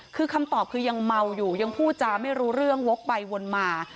คือคำตอบคือยังเมาอยู่ยังพูดจาไม่รู้เรื่องวกไปวนมา